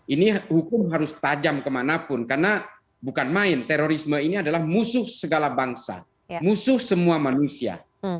ini hukum harus tajam kemanapun karena bukan main terorisme ini adalah musuh segala bangsa musuh semua manusia